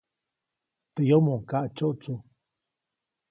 Teʼ yomoʼuŋ kaʼtsyotsu.